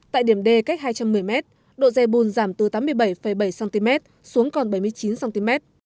tại điểm d cách hai trăm một mươi m độ dây bùn giảm từ tám mươi bảy bảy cm xuống còn bảy mươi chín cm